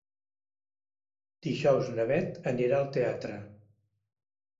Dijous na Bet anirà al teatre.